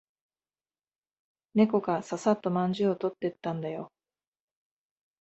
猫がささっとまんじゅうを取ってったんだよ。